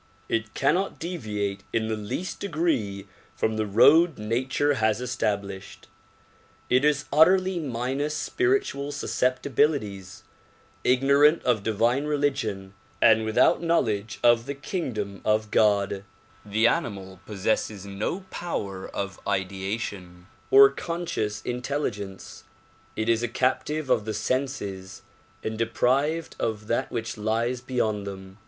It cannot devia, te in the least degree from the road nature has estab lished. It is utterly minus spiritual susceptibilities, ignorant of divine religion and without knowledge of the kingdom of God, The animal possesses no power of ideation or conscious intelligence; it is a captive of the senses and deprived of that which lies beyond them.